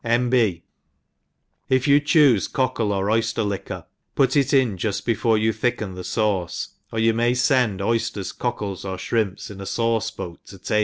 — N. B. If you chooie cockle or oyfter liquor, put it in juft be* fore you thicken the fauce, or you may' fend oyflers, cockles, or flirimps in a fauce boat to tabic.